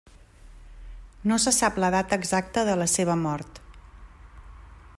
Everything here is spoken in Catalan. No se sap la data exacta de la seva mort.